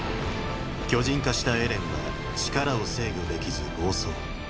巨人化したエレンは力を制御できず暴走。